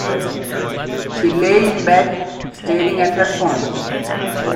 She lay in bed, staring at her phone.